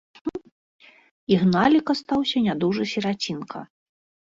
…Ігналік астаўся нядужы сірацінка.